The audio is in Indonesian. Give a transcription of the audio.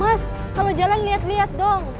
mas kalau jalan lihat lihat dong